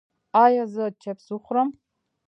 ایا زه چپس وخورم؟